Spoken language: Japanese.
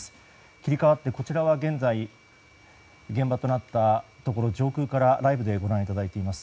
切り替わってこちらは現在、現場となったところを上空からライブでご覧いただいています。